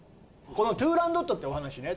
この『トゥーランドット』ってお話ね